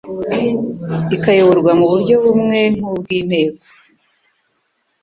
ikayoborwa mu buryo bumwe nk ubw Inteko